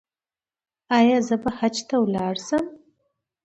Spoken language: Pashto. ایا زه به حج ته لاړ شم؟